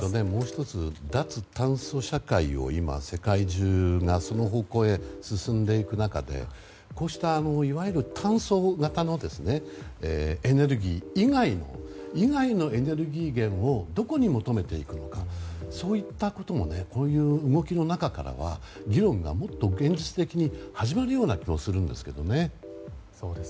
もう１つ、脱炭素社会を今、世界中がその方向へ進んでいく中でこうしたいわゆる炭素型のエネルギー以外のエネルギー源をどこに求めていくのかといったところもこういう動きの中からは議論がもっと現実的に始まる気もするんですけどね。